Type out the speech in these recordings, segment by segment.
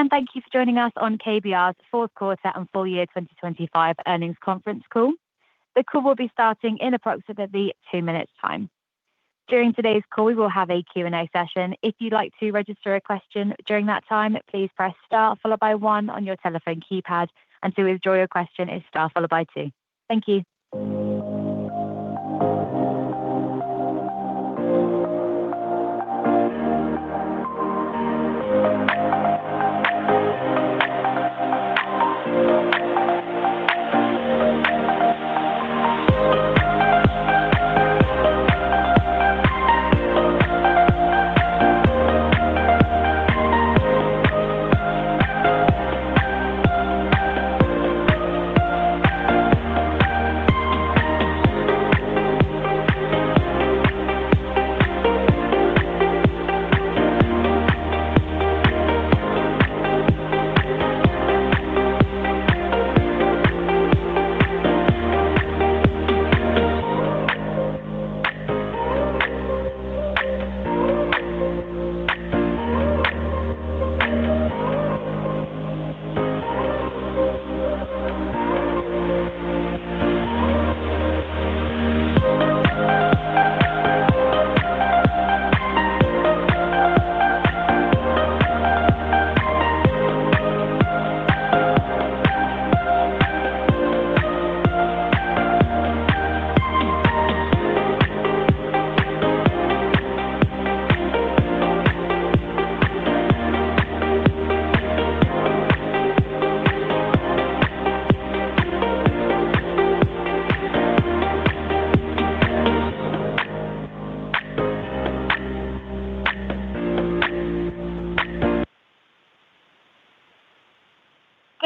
Hello. Thank you for joining us on KBR's fourth quarter and full year 2025 earnings conference call. The call will be starting in approximately two minutes' time. During today's call, we will have a Q&A session. If you'd like to register a question during that time, please press star followed by one on your telephone keypad. To withdraw your question, it's star followed by two. Thank you.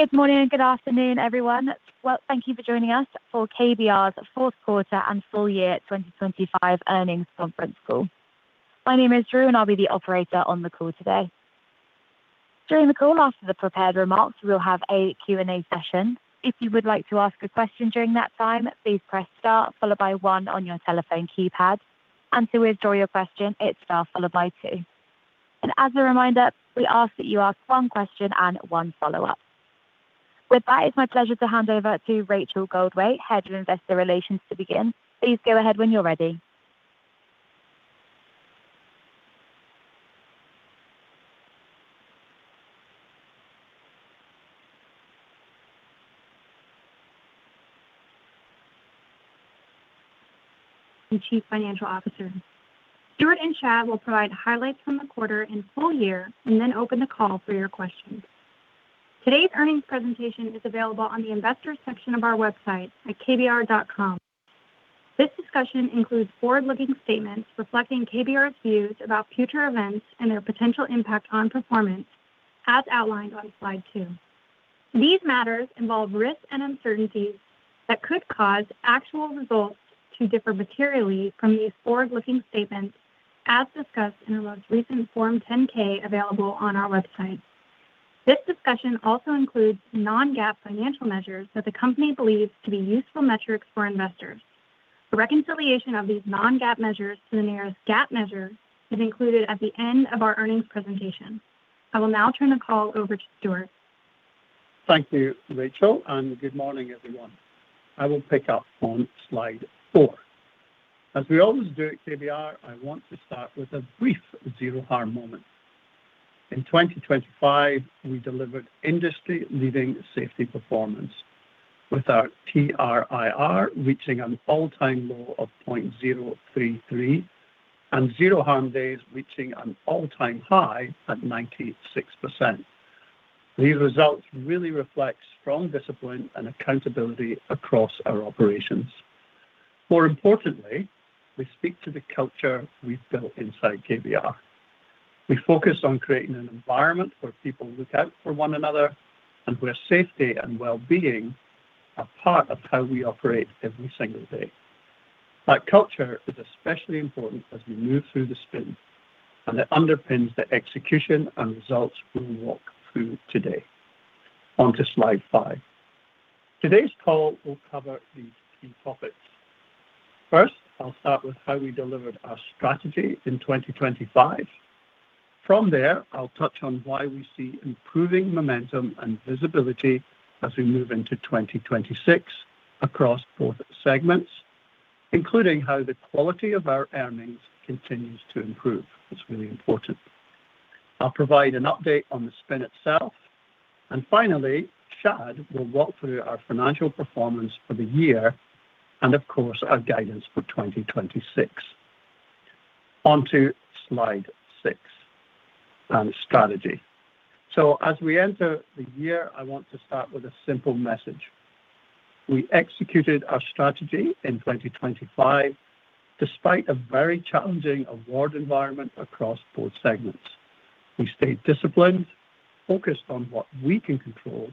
Good morning. Good afternoon, everyone. Well, thank you for joining us for KBR's fourth quarter and full year 2025 earnings conference call. My name is Drew. I'll be the operator on the call today. During the call, after the prepared remarks, we'll have a Q&A session. If you would like to ask a question during that time, please press Star followed by two on your telephone keypad. To withdraw your question, it's star followed by two. As a reminder, we ask that you ask one question and one follow-up. With that, it's my pleasure to hand over to Rachel Goldwait, Head of Investor Relations, to begin. Please go ahead when you're ready. The Chief Financial Officer. Stuart and Shad will provide highlights from the quarter and full year. Then open the call for your questions. Today's earnings presentation is available on the Investors section of our website at kbr.com. This discussion includes forward-looking statements reflecting KBR's views about future events and their potential impact on performance, as outlined on slide 2. These matters involve risks and uncertainties that could cause actual results to differ materially from these forward-looking statements, as discussed in our most recent Form 10-K, available on our website. This discussion also includes non-GAAP financial measures that the company believes to be useful metrics for investors. A reconciliation of these non-GAAP measures to the nearest GAAP measure is included at the end of our earnings presentation. I will now turn the call over to Stuart. Thank you, Rachel. Good morning, everyone. I will pick up on slide 4. As we always do at KBR, I want to start with a brief Zero Harm moment. In 2025, we delivered industry-leading safety performance, with our TRIR reaching an all-time low of 0.033 and Zero Harm days reaching an all-time high at 96%. These results really reflect strong discipline and accountability across our operations. More importantly, we speak to the culture we've built inside KBR. We focus on creating an environment where people look out for one another and where safety and well-being are part of how we operate every single day. That culture is especially important as we move through the spin, and it underpins the execution and results we will walk through today. On to slide 5. Today's call will cover these three topics. First, I'll start with how we delivered our strategy in 2025. From there, I'll touch on why we see improving momentum and visibility as we move into 2026 across both segments, including how the quality of our earnings continues to improve. That's really important. I'll provide an update on the spin itself, and finally, Shad will walk through our financial performance for the year and, of course, our guidance for 2026. On to slide 6, strategy. As we enter the year, I want to start with a simple message. We executed our strategy in 2025 despite a very challenging award environment across both segments. We stayed disciplined, focused on what we can control,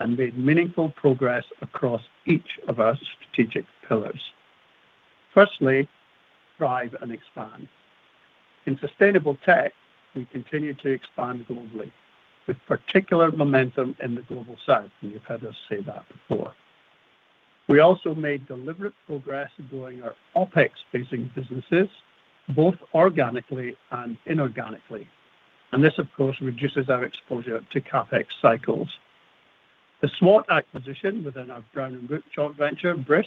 and made meaningful progress across each of our strategic pillars. Firstly, thrive and expand. In Sustainable Tech, we continue to expand globally, with particular momentum in the Global South, and you've heard us say that before. We also made deliberate progress in growing our OpEx-facing businesses, both organically and inorganically. This, of course, reduces our exposure to CapEx cycles. The SWAT acquisition within our Brown & Root joint venture, BRIS,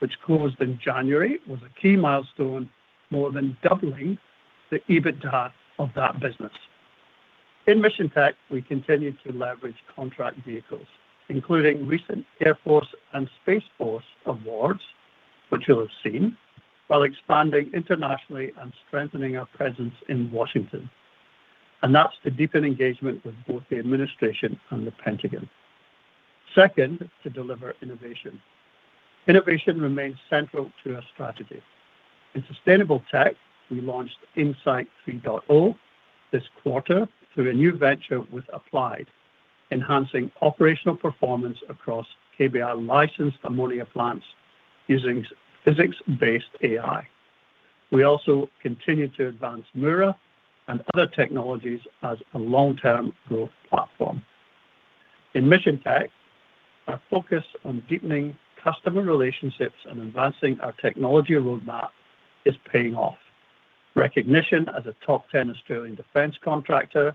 which closed in January, was a key milestone, more than doubling the EBITDA of that business. In Mission Tech, we continued to leverage contract vehicles, including recent Air Force and Space Force awards, which you'll have seen, while expanding internationally and strengthening our presence in Washington. That's to deepen engagement with both the administration and the Pentagon. Second, to deliver innovation. Innovation remains central to our strategy. In Sustainable Tech, we launched INSITE 3.0 this quarter through a new venture with Applied, enhancing operational performance across KBR-licensed ammonia plants using physics-based AI. We also continued to advance Mura and other technologies as a long-term growth platform. In Mission Tech, our focus on deepening customer relationships and advancing our technology roadmap is paying off. Recognition as a top 10 Australian defense contractor,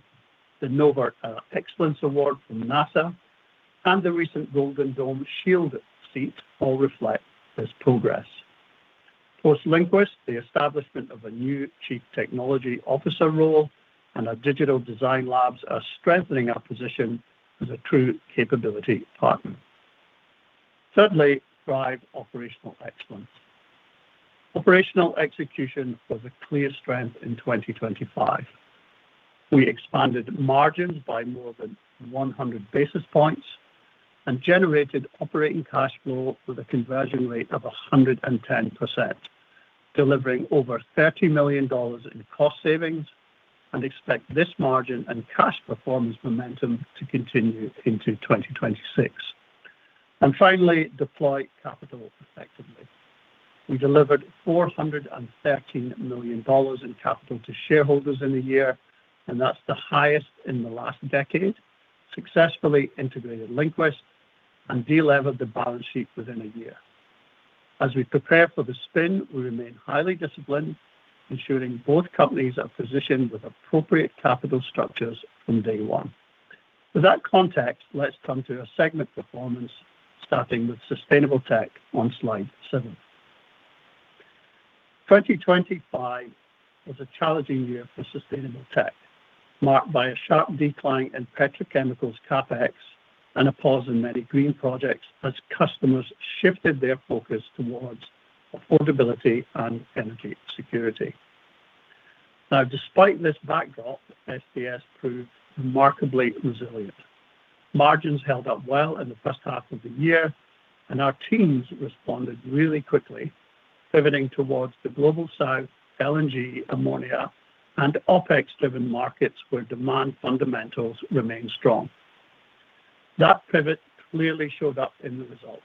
the NOVA Award from NASA, and the recent Golden Dome SHIELD seat all reflect this progress. Post LinQuest, the establishment of a new chief technology officer role and our digital design labs are strengthening our position as a true capability partner. Thirdly, drive operational excellence. Operational execution was a clear strength in 2025. We expanded margins by more than 100 basis points and generated operating cash flow with a conversion rate of 110%, delivering over $30 million in cost savings. Expect this margin and cash performance momentum to continue into 2026. Finally, deploy capital effectively. We delivered $413 million in capital to shareholders in a year. That's the highest in the last decade, successfully integrated LinQuest and delevered the balance sheet within a year. As we prepare for the spin, we remain highly disciplined, ensuring both companies are positioned with appropriate capital structures from day one. With that context, let's turn to our segment performance, starting with Sustainable Tech on slide 7. 2025 was a challenging year for Sustainable Tech, marked by a sharp decline in petrochemicals CapEx and a pause in many green projects as customers shifted their focus towards affordability and energy security. Despite this backdrop, STS proved remarkably resilient. Margins held up well in the first half of the year. Our teams responded really quickly, pivoting towards the Global South, LNG, ammonia, and OpEx-driven markets where demand fundamentals remain strong. That pivot clearly showed up in the results.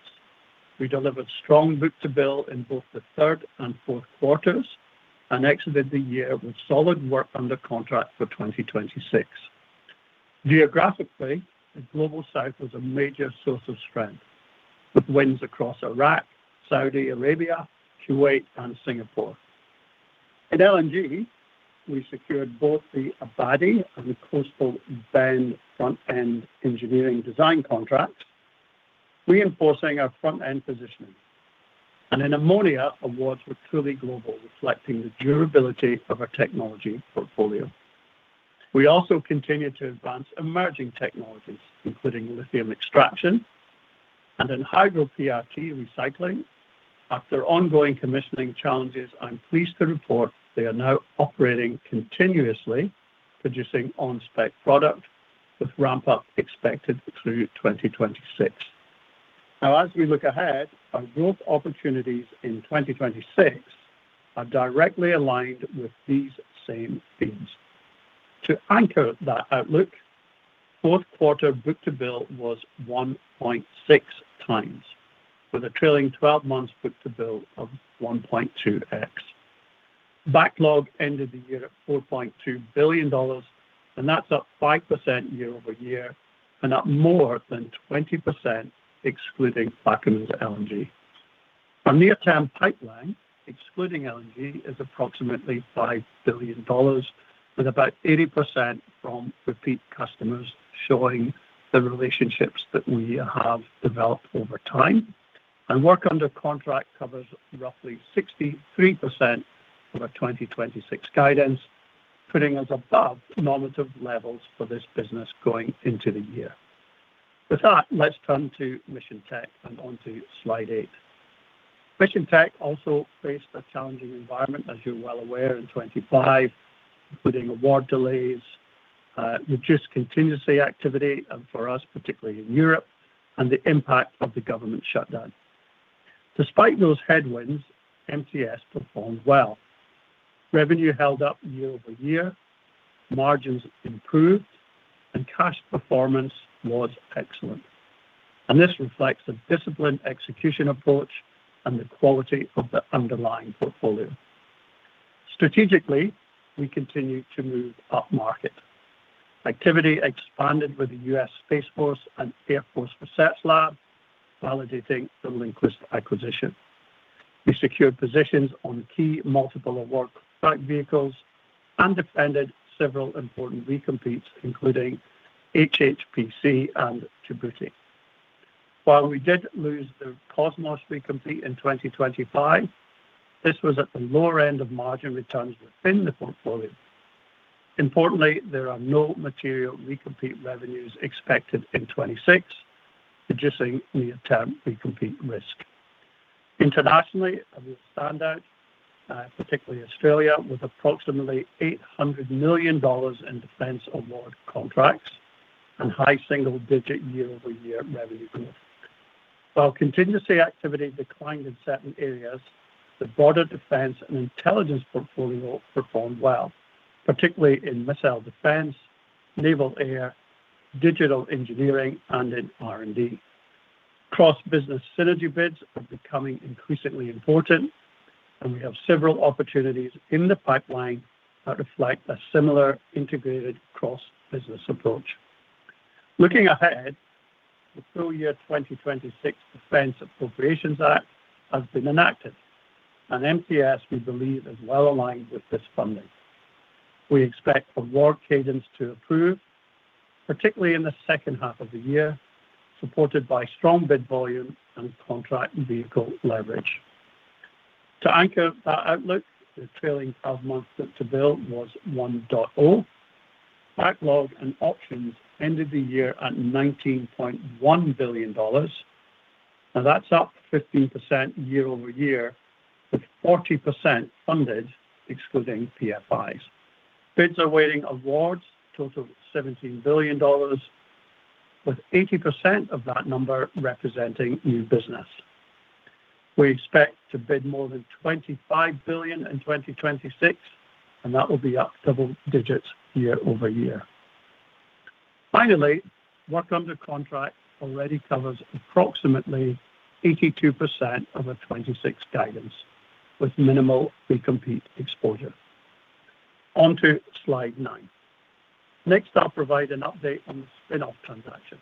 We delivered strong book-to-bill in both the third and fourth quarters and exited the year with solid work under contract for 2026. Geographically, the Global South was a major source of strength, with wins across Iraq, Saudi Arabia, Kuwait, and Singapore. In LNG, we secured both the Abadi and the Coastal Bend front-end engineering design contract, reinforcing our front-end positioning. In ammonia, awards were truly global, reflecting the durability of our technology portfolio. We also continued to advance emerging technologies, including lithium extraction and in Hydro-PRT recycling. After ongoing commissioning challenges, I'm pleased to report they are now operating continuously, producing on-spec product, with ramp-up expected through 2026. Now, as we look ahead, our growth opportunities in 2026 are directly aligned with these same themes. To anchor that outlook, fourth quarter book-to-bill was 1.6x, with a trailing 12 months book-to-bill of 1.2x. Backlog ended the year at $4.2 billion, and that's up 5% year-over-year and up more than 20%, excluding Bakken LNG. Our near-term pipeline, excluding LNG, is approximately $5 billion, with about 80% from repeat customers, showing the relationships that we have developed over time. Work under contract covers roughly 63% of our 2026 guidance, putting us above normative levels for this business going into the year. With that, let's turn to Mission Tech and onto slide 8. Mission Tech also faced a challenging environment, as you're well aware, in 2025, including award delays, reduced contingency activity, and for us, particularly in Europe, and the impact of the government shutdown. Despite those headwinds, MTS performed well. Revenue held up year-over-year, margins improved, cash performance was excellent. This reflects a disciplined execution approach and the quality of the underlying portfolio. Strategically, we continue to move upmarket. Activity expanded with the U.S. Space Force and Air Force Research Lab, validating the LinQuest acquisition. We secured positions on key multiple award contract vehicles and defended several important recompetes, including HHPC and Djibouti. While we did lose the COSMOS recompete in 2025, this was at the lower end of margin returns within the portfolio. Importantly, there are no material recompete revenues expected in 2026, reducing the attempt recompete risk. Internationally, we stand out, particularly Australia, with approximately $800 million in defense award contracts and high single-digit year-over-year revenue growth. While contingency activity declined in certain areas, the broader defense and intelligence portfolio performed well, particularly in missile defense, naval air, digital engineering, and in R&D. Cross-business synergy bids are becoming increasingly important, and we have several opportunities in the pipeline that reflect a similar integrated cross-business approach. Looking ahead, the full year 2026 Defense Appropriations Act has been enacted, and MTS, we believe, is well aligned with this funding. We expect award cadence to improve, particularly in the second half of the year, supported by strong bid volume and contract vehicle leverage. To anchor that outlook, the trailing 12 months book-to-bill was 1.0. Backlog and options ended the year at $19.1 billion, now that's up 15% year-over-year, with 40% funded, excluding PFIs. Bids awaiting awards total $17 billion, with 80% of that number representing new business. We expect to bid more than $25 billion in 2026, and that will be up double digits year-over-year. Finally, work under contract already covers approximately 82% of the 2026 guidance, with minimal recompete exposure. On to slide 9. Next, I'll provide an update on the spin-off transaction,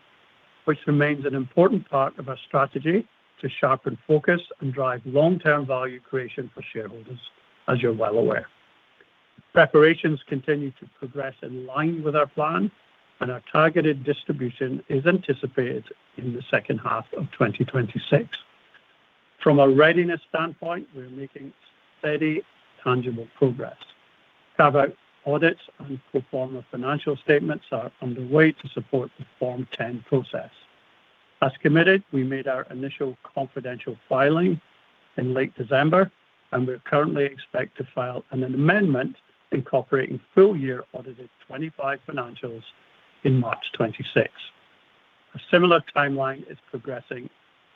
which remains an important part of our strategy to sharpen focus and drive long-term value creation for shareholders, as you're well aware. Preparations continue to progress in line with our plan, and our targeted distribution is anticipated in the second half of 2026. From a readiness standpoint, we're making steady, tangible progress. Carve-out audits and pro forma financial statements are underway to support the Form 10 process. As committed, we made our initial confidential filing in late December. We currently expect to file an amendment incorporating full-year audited 2025 financials in March 2026. A similar timeline is progressing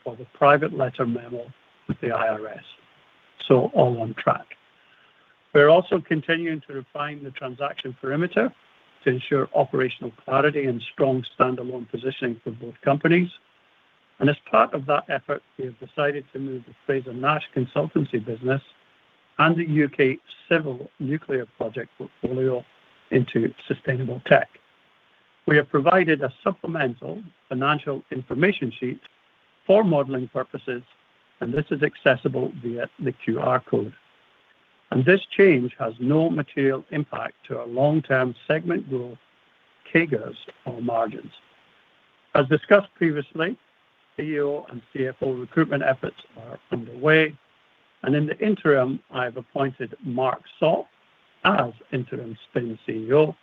for the private letter memo with the IRS. All on track. We're also continuing to refine the transaction perimeter to ensure operational clarity and strong standalone positioning for both companies. As part of that effort, we have decided to move the Frazer-Nash Consultancy business and the U.K. civil nuclear project portfolio into Sustainable Tech. We have provided a supplemental financial information sheet for modeling purposes. This is accessible via the QR code. This change has no material impact to our long-term segment growth, CAGRs, or margins. As discussed previously, CEO and CFO recruitment efforts are underway. In the interim, I've appointed Mark Sopp as interim spin CEO,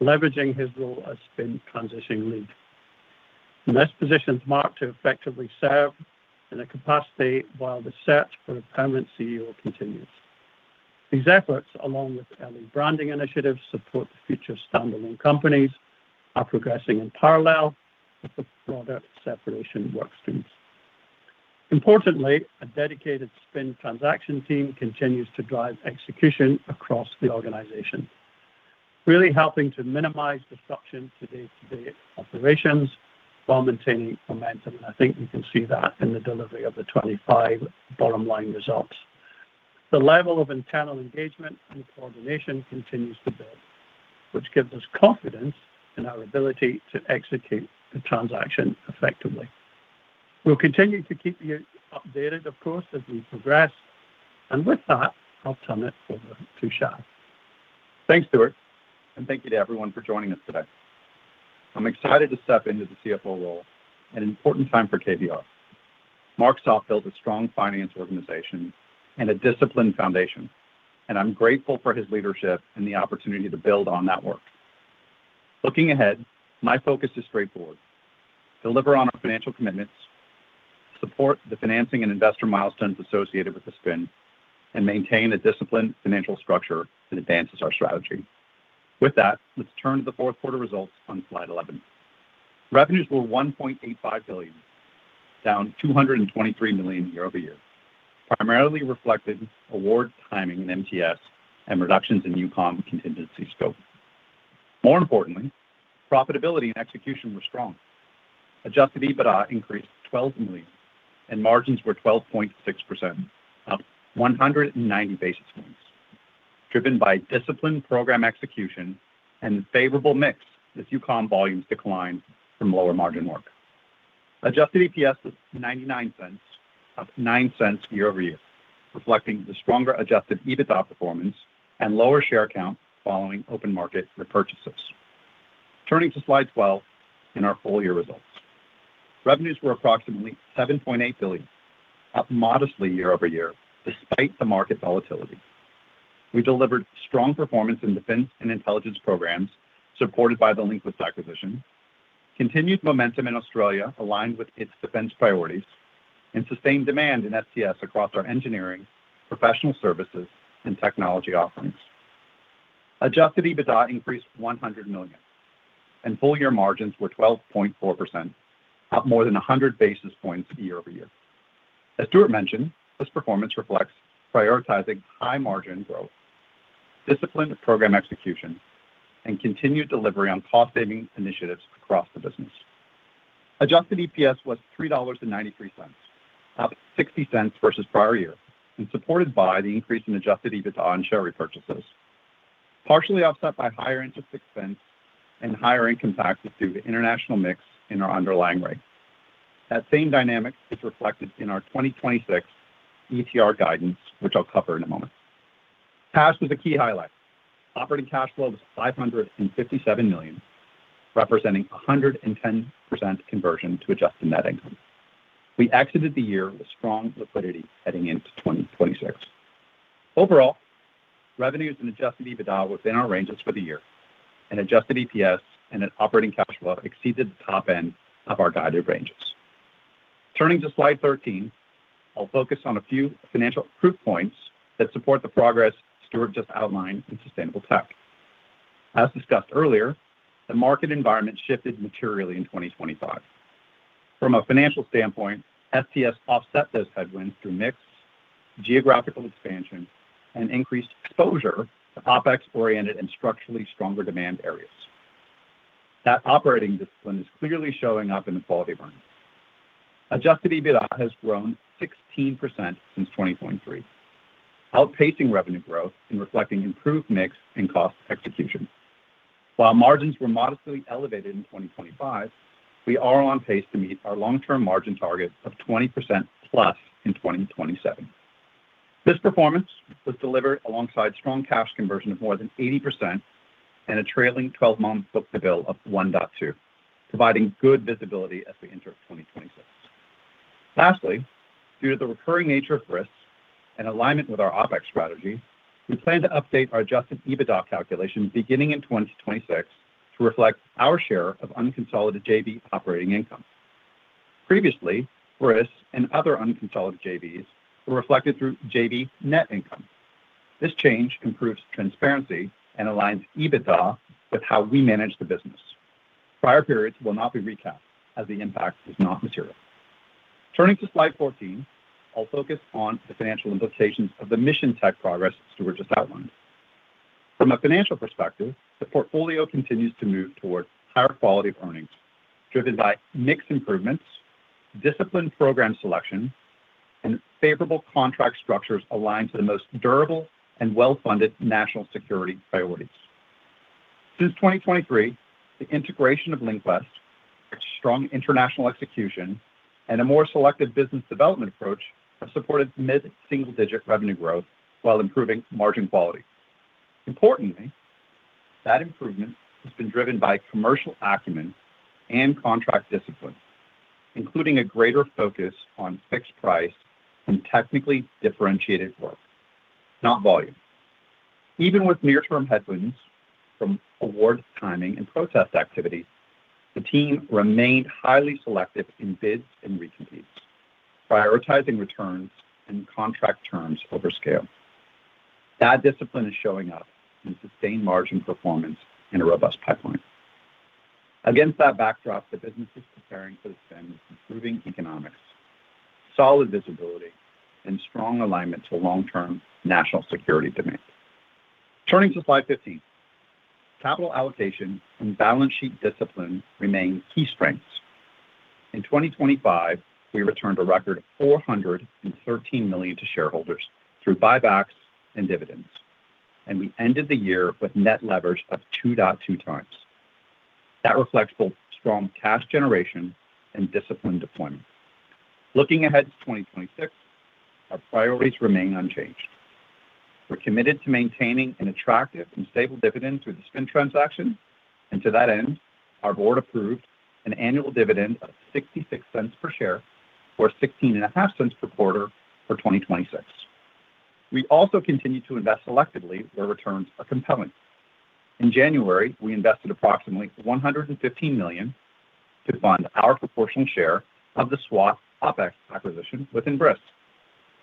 leveraging his role as spin transitioning lead. This positions Mark Sopp to effectively serve in a capacity while the search for a permanent CEO continues. These efforts, along with early branding initiatives, support the future standalone companies, are progressing in parallel with the broader separation work streams. Importantly, a dedicated spin transaction team continues to drive execution across the organization, really helping to minimize disruption to day-to-day operations while maintaining momentum. I think you can see that in the delivery of the 2025 bottom line results. The level of internal engagement and coordination continues to build, which gives us confidence in our ability to execute the transaction effectively. We'll continue to keep you updated, of course, as we progress. With that, I'll turn it over to Shad. Thanks, Stuart. Thank you to everyone for joining us today. I'm excited to step into the CFO role at an important time for KBR. Mark Sopp built a strong finance organization and a disciplined foundation. I'm grateful for his leadership and the opportunity to build on that work. Looking ahead, my focus is straightforward: deliver on our financial commitments, support the financing and investor milestones associated with the spin, and maintain a disciplined financial structure that advances our strategy. With that, let's turn to the fourth quarter results on slide 11. Revenues were $1.85 billion, down $223 million year-over-year, primarily reflecting award timing in MTS and reductions in UCOM contingency scope. More importantly, profitability and execution were strong. Adjusted EBITDA increased to $12 million, and margins were 12.6%, up 190 basis points, driven by disciplined program execution and favorable mix as UCOM volumes declined from lower margin work. Adjusted EPS was $0.99, up $0.09 year-over-year, reflecting the stronger Adjusted EBITDA performance and lower share count following open market repurchases. Turning to Slide 12 in our full-year results. Revenues were approximately $7.8 billion, up modestly year-over-year, despite the market volatility. We delivered strong performance in defense and intelligence programs, supported by the LinQuest acquisition, continued momentum in Australia aligned with its defense priorities, and sustained demand in STS across our engineering, professional services, and technology offerings. Adjusted EBITDA increased $100 million, and full-year margins were 12.4%, up more than 100 basis points year-over-year. As Stuart Bradie mentioned, this performance reflects prioritizing high-margin growth, disciplined program execution, and continued delivery on cost-saving initiatives across the business. Adjusted EPS was $3.93, up $0.60 versus prior year, supported by the increase in adjusted EBITDA and share repurchases, partially offset by higher interest expense and higher income taxes due to international mix in our underlying rate. That same dynamic is reflected in our 2026 ETR guidance, which I'll cover in a moment. Cash was a key highlight. Operating cash flow was $557 million, representing 110% conversion to adjusted net income. We exited the year with strong liquidity heading into 2026. Overall, revenues and adjusted EBITDA were within our ranges for the year, adjusted EPS and operating cash flow exceeded the top end of our guided ranges. Turning to Slide 13, I'll focus on a few financial proof points that support the progress Stuart just outlined in Sustainable Tech. As discussed earlier, the market environment shifted materially in 2025. From a financial standpoint, STS offset those headwinds through mix, geographical expansion, and increased exposure to OpEx-oriented and structurally stronger demand areas. That operating discipline is clearly showing up in the quality of earnings. Adjusted EBITDA has grown 16% since 2023, outpacing revenue growth and reflecting improved mix and cost execution. While margins were modestly elevated in 2025, we are on pace to meet our long-term margin target of 20%+ in 2027. This performance was delivered alongside strong cash conversion of more than 80% and a trailing 12-month book-to-bill of 1.2, providing good visibility as we enter 2026. Lastly, due to the recurring nature of risks and alignment with our OpEx strategy, we plan to update our adjusted EBITDA calculation beginning in 2026 to reflect our share of unconsolidated JV operating income. Previously, risks and other unconsolidated JVs were reflected through JV net income. This change improves transparency and aligns EBITDA with how we manage the business. Prior periods will not be recapped as the impact is not material. Turning to Slide 14, I'll focus on the financial implications of the mission tech progress Stuart just outlined. From a financial perspective, the portfolio continues to move towards higher quality of earnings, driven by mix improvements, disciplined program selection, and favorable contract structures aligned to the most durable and well-funded national security priorities. Since 2023, the integration of LinQuest, strong international execution, and a more selective business development approach have supported mid-single-digit revenue growth while improving margin quality. Importantly, that improvement has been driven by commercial acumen and contract discipline, including a greater focus on fixed price and technically differentiated work, not volume. Even with near-term headwinds from award timing and protest activities, the team remained highly selective in bids and recent years, prioritizing returns and contract terms over scale. That discipline is showing up in sustained margin performance in a robust pipeline. Against that backdrop, the business is preparing for the spend, improving economics, solid visibility, and strong alignment to long-term national security demands. Turning to Slide 15, capital allocation and balance sheet discipline remain key strengths. In 2025, we returned a record $413 million to shareholders through buybacks and dividends. We ended the year with net leverage of 2.2 times. That reflects both strong cash generation and disciplined deployment. Looking ahead to 2026, our priorities remain unchanged. We're committed to maintaining an attractive and stable dividend through the spin transaction. To that end, our board approved an annual dividend of $0.66 per share, or $0.165 per quarter for 2026. We also continue to invest selectively where returns are compelling. In January, we invested approximately $115 million to fund our proportionate share of the SWAT OpEx acquisition within BRIS,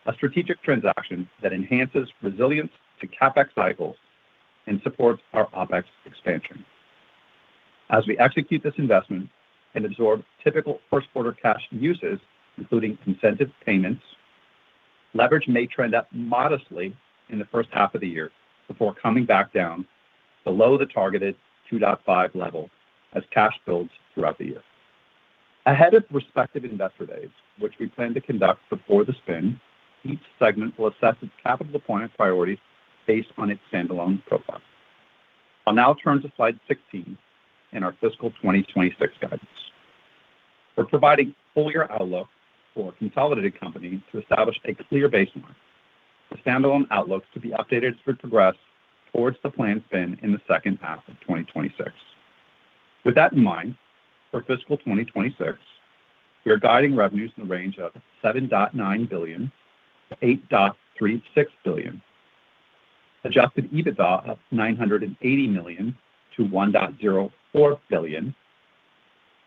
a strategic transaction that enhances resilience to CapEx cycles and supports our OpEx expansion. As we execute this investment and absorb typical first quarter cash uses, including incentive payments. Leverage may trend up modestly in the first half of the year before coming back down below the targeted 2.5 level as cash builds throughout the year. Ahead of respective investor days, which we plan to conduct before the spin, each segment will assess its capital deployment priorities based on its standalone profile. I'll now turn to slide 16 and our fiscal 2026 guidance. We're providing full year outlook for consolidated companies to establish a clear baseline. The standalone outlooks to be updated for progress towards the planned spin in the second half of 2026. With that in mind, for fiscal 2026, we are guiding revenues in the range of $7.9 billion-$8.36 billion. Adjusted EBITDA of $980 million-$1.04 billion.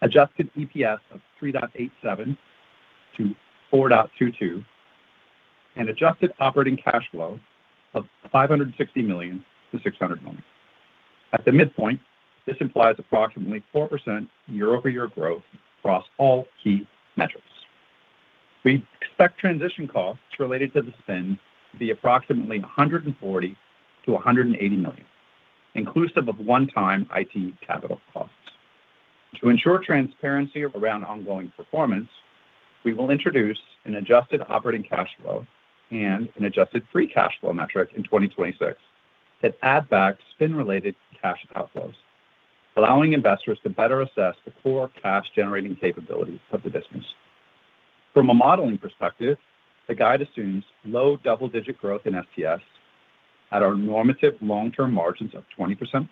Adjusted EPS of $3.87-$4.22, and adjusted operating cash flow of $560 million-$600 million. At the midpoint, this implies approximately 4% year-over-year growth across all key metrics. We expect transition costs related to the spin to be approximately $140 million-$180 million, inclusive of one-time IT capital costs. To ensure transparency around ongoing performance, we will introduce an adjusted operating cash flow and an adjusted free cash flow metric in 2026 that add back spin-related cash outflows, allowing investors to better assess the core cash-generating capabilities of the business. From a modeling perspective, the guide assumes low double-digit growth in FTS at our normative long-term margins of 20%+.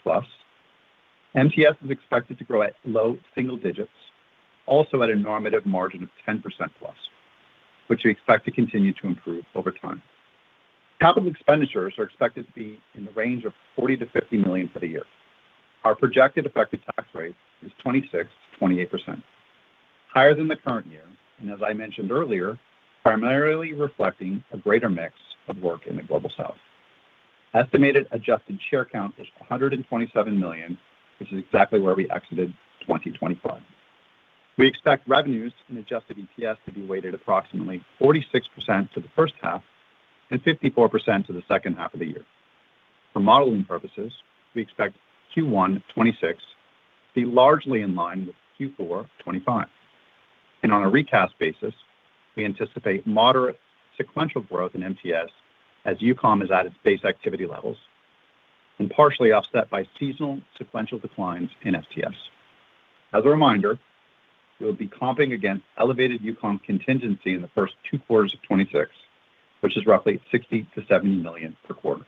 MTS is expected to grow at low single digits, also at a normative margin of 10%+, which we expect to continue to improve over time. CapEx are expected to be in the range of $40 million-$50 million for the year. Our projected effective tax rate is 26%-28%, higher than the current year, and as I mentioned earlier, primarily reflecting a greater mix of work in the Global South. Estimated adjusted share count is 127 million, which is exactly where we exited 2025. We expect revenues and adjusted EPS to be weighted approximately 46% to the first half and 54% to the second half of the year. For modeling purposes, we expect Q1 2026 to be largely in line with Q4 2025. On a recast basis, we anticipate moderate sequential growth in MTS as UCOM is at its base activity levels and partially offset by seasonal sequential declines in FTS. As a reminder, we'll be comping against elevated UCOM contingency in the first two quarters of 2026, which is roughly $60 million-$70 million per quarter.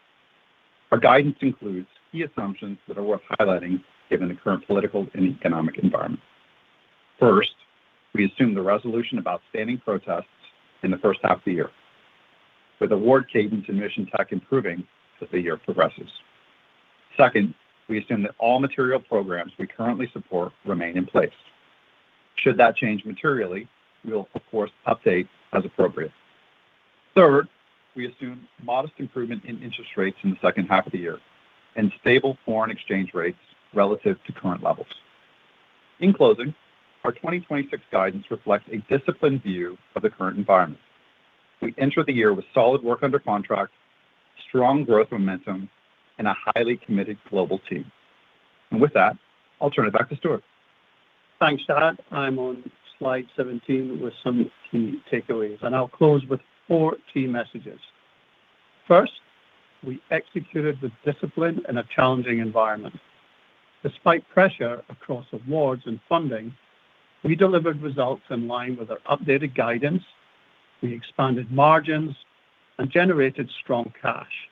Our guidance includes key assumptions that are worth highlighting given the current political and economic environment. First, we assume the resolution of outstanding protests in the first half of the year, with award cadence and Mission Tech improving as the year progresses. Second, we assume that all material programs we currently support remain in place. Should that change materially, we will of course, update as appropriate. Third, we assume modest improvement in interest rates in the second half of the year and stable foreign exchange rates relative to current levels. In closing, our 2026 guidance reflects a disciplined view of the current environment. We enter the year with solid work under contract, strong growth momentum, and a highly committed global team. With that, I'll turn it back to Stuart. Thanks, Shad. I'm on slide 17 with some key takeaways, and I'll close with four key messages. First, we executed with discipline in a challenging environment. Despite pressure across awards and funding, we delivered results in line with our updated guidance. We expanded margins and generated strong cash,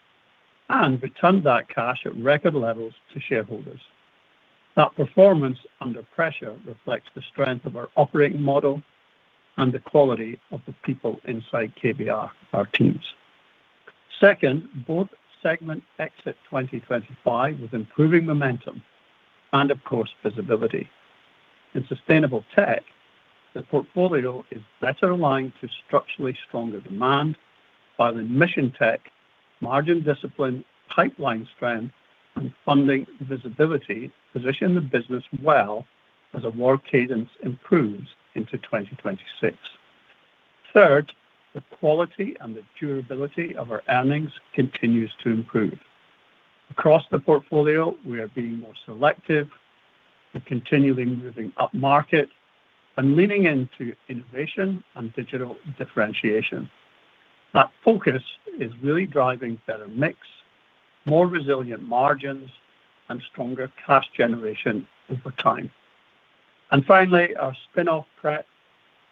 and returned that cash at record levels to shareholders. That performance under pressure reflects the strength of our operating model and the quality of the people inside KBR, our teams. Second, both segments exit 2025 with improving momentum and of course, visibility. In Sustainable Tech, the portfolio is better aligned to structurally stronger demand, while in Mission Tech, margin discipline, pipeline strength, and funding visibility position the business well as award cadence improves into 2026. Third, the quality and the durability of our earnings continues to improve. Across the portfolio, we are being more selective and continually moving upmarket and leaning into innovation and digital differentiation. That focus is really driving better mix, more resilient margins, and stronger cash generation over time. Finally, our spin-off prep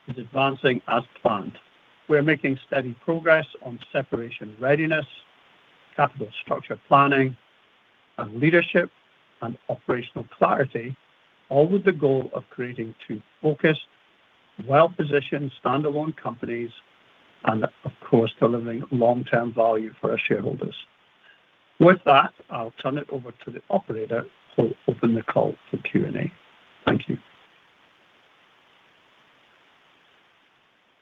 is advancing as planned. We are making steady progress on separation readiness, capital structure planning, and leadership and operational clarity, all with the goal of creating two focused, well-positioned standalone companies. Of course, delivering long-term value for our shareholders. With that, I'll turn it over to the operator, who will open the call for Q&A. Thank you.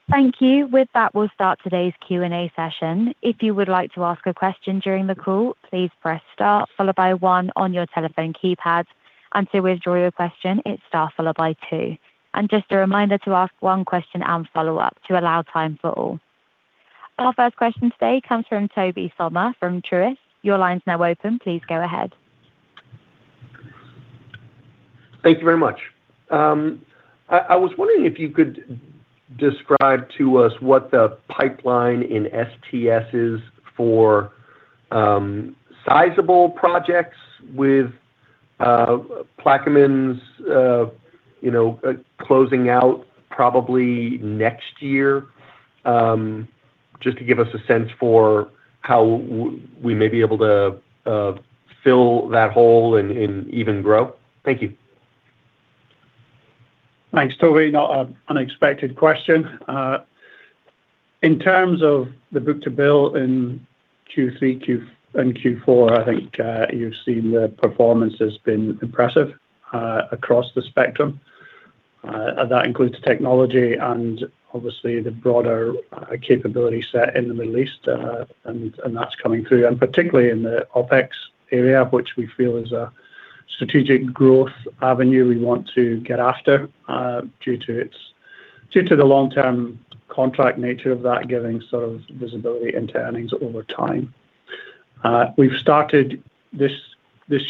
Thank you. With that, we'll start today's Q&A session. If you would like to ask a question during the call, please press star followed by one on your telephone keypad, and to withdraw your question, it's star followed by two. Just a reminder to ask one question and follow up to allow time for all. Our first question today comes from Tobey Sommer from Truist. Your line is now open, please go ahead. Thank you very much. I was wondering if you could describe to us what the pipeline in STS is for sizable projects with Plaquemines, you know, closing out probably next year. Just to give us a sense for how we may be able to fill that hole and even grow. Thank you. Thanks, Tobey. Not an unexpected question. In terms of the book-to-bill in Q3 and Q4, I think you've seen the performance has been impressive across the spectrum. That includes the technology and obviously the broader capability set in the Middle East, and that's coming through, and particularly in the OpEx area, which we feel is a strategic growth avenue we want to get after, due to the long-term contract nature of that, giving sort of visibility into earnings over time. We've started this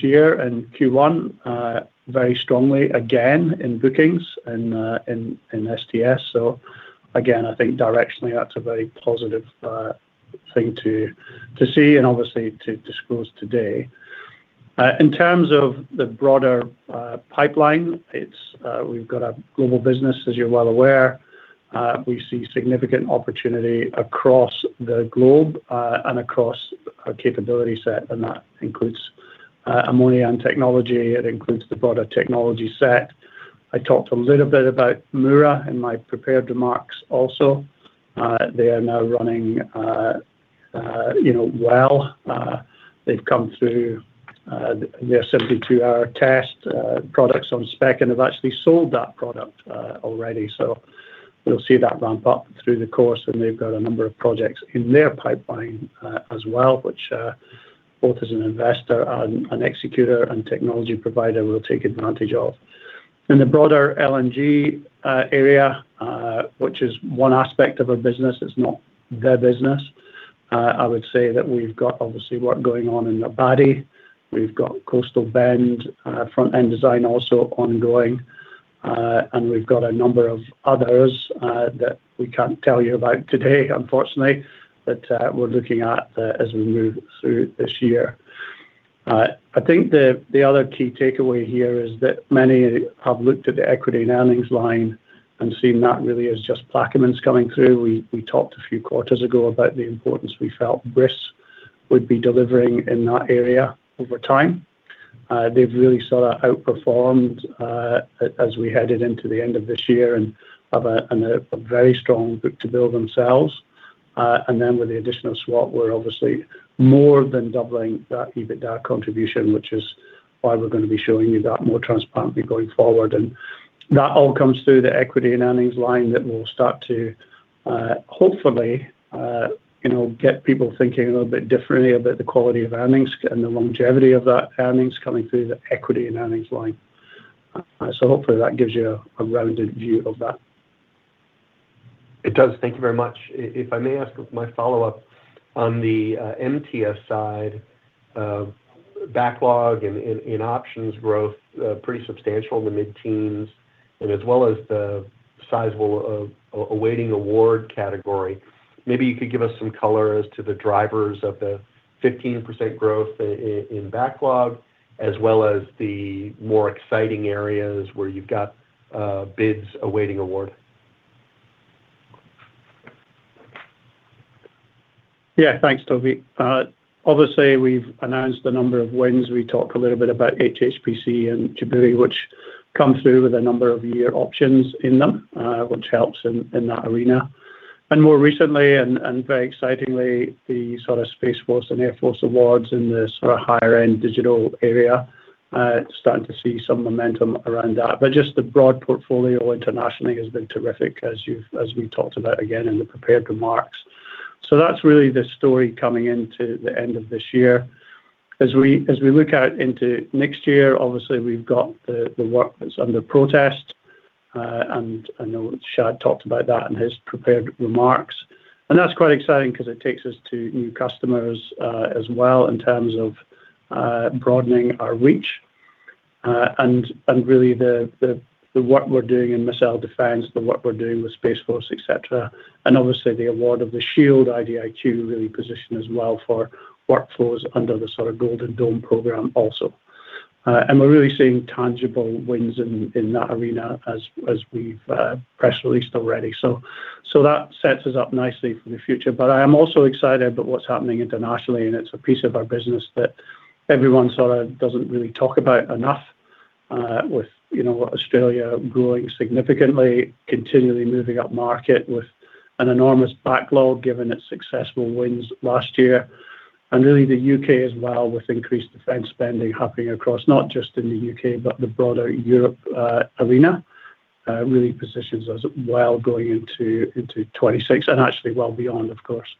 year in Q1, very strongly, again, in bookings and in STS. Again, I think directionally, that's a very positive thing to see and obviously to disclose today. In terms of the broader pipeline, it's we've got a global business, as you're well aware. We see significant opportunity across the globe and across our capability set, and that includes ammonia and technology. It includes the broader technology set. I talked a little bit about Mura in my prepared remarks also. They are now running, you know, well. They've come through their 72-hour test, products on spec, and have actually sold that product already. We'll see that ramp up through the course, and they've got a number of projects in their pipeline as well, which both as an investor and an executor and technology provider, will take advantage of. In the broader LNG area, which is one aspect of our business, it's not their business. I would say that we've got obviously work going on in Abadi. We've got Coastal Bend, front-end design also ongoing, and we've got a number of others that we can't tell you about today, unfortunately, but we're looking at as we move through this year. I think the other key takeaway here is that many have looked at the equity and earnings line and seen that really as just Plaquemines coming through. We talked a few quarters ago about the importance we felt BRIS would be delivering in that area over time. They've really sort of outperformed as we headed into the end of this year and have a very strong book-to-bill themselves. With the additional swap, we're obviously more than doubling that EBITDA contribution, which is why we're going to be showing you that more transparently going forward. That all comes through the equity and earnings line that will start to, hopefully, you know, get people thinking a little bit differently about the quality of earnings and the longevity of that earnings coming through the equity and earnings line. Hopefully that gives you a rounded view of that. It does. Thank you very much. If I may ask my follow-up on the MTS side, backlog and in options growth, pretty substantial in the mid-teens, and as well as the sizable awaiting award category, maybe you could give us some color as to the drivers of the 15% growth in backlog, as well as the more exciting areas where you've got bids awaiting award. Yeah. Thanks, Tobey. obviously, we've announced a number of wins. We talked a little bit about HHPC and Djibouti, which come through with a number of year options in them, which helps in that arena. More recently and very excitingly, the sort of Space Force and Air Force awards in the sort of higher-end digital area, starting to see some momentum around that. Just the broad portfolio internationally has been terrific, as we talked about, again, in the prepared remarks. That's really the story coming into the end of this year. As we look out into next year, obviously, we've got the work that's under protest, and I know Shad talked about that in his prepared remarks. That's quite exciting because it takes us to new customers, as well in terms of broadening our reach, and really the work we're doing in missile defense, the work we're doing with Space Force, et cetera. Obviously, the award of the SHIELD IDIQ really position us well for workflows under the sort of Golden Dome program also. We're really seeing tangible wins in that arena as we've press released already. That sets us up nicely for the future. I am also excited about what's happening internationally. It's a piece of our business that everyone sort of doesn't really talk about enough, with, you know, Australia growing significantly, continually moving up market with an enormous backlog, given its successful wins last year. Really, the U.K. as well, with increased defense spending happening across, not just in the U.K., but the broader Europe, arena, really positions us well going into 2026 and actually well beyond, of course.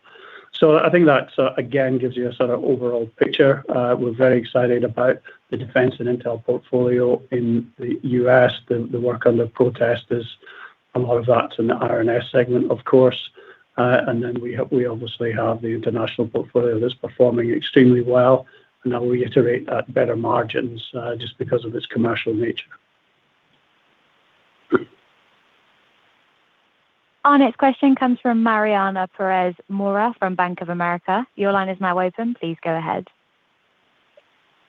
I think that, again, gives you a sort of overall picture. We're very excited about the Defense and Intel portfolio in the U.S.. The work on the protest is a lot of that in the R&S segment, of course. Then we obviously have the international portfolio that's performing extremely well, and I'll reiterate that better margins, just because of its commercial nature. Our next question comes from Mariana Perez Mora from Bank of America. Your line is now open. Please go ahead.